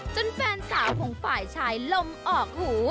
จนแฟนสาวของฝ่ายชายลมออกหู